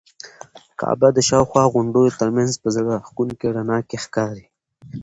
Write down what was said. کعبه د شاوخوا غونډیو تر منځ په زړه راښکونکي رڼا کې ښکاري.